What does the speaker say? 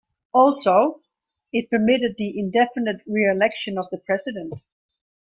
Also, it permitted the indefinite reelection of the president.